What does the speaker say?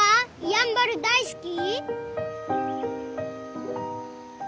やんばる大好き？